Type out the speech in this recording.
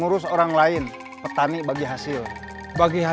kamu datang ke sini